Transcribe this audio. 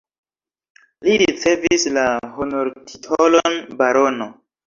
Li ricevis la honortitolon barono.